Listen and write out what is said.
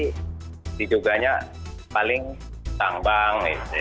ncc dijuganya paling tambang gitu ya